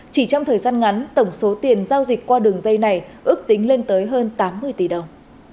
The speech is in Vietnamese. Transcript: chỉ trong thời gian ngắn tổng số tiền giao dịch qua đường dây này ước tính lên tới hơn tám mươi tỷ đồng